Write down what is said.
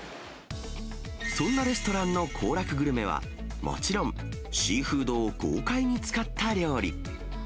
そんなレストランの行楽グルメは、もちろんシーフードを豪快に使った料理。